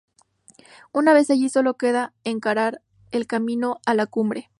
Una vez allí solo queda encarar el camino a la cumbre.